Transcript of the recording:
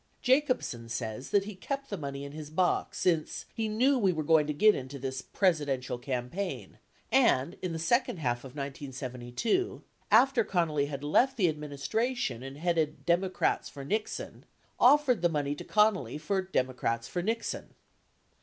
78 Jacobsen says that he kept the money in his box since he "knew we were going to get into this Presidential campaign," and, in the second half of 1972, after Connally had left the administration and headed Democrats for Nixon, offered the money to Connally for Democrats for Nixon.